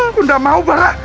aku tidak mau bara